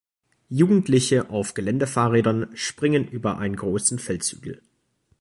Jugendliche auf Geländefahrrädern springen über einen großen Felshügel